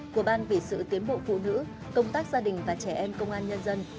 của ban vì sự tiến bộ phụ nữ công tác gia đình và trẻ em công an nhân dân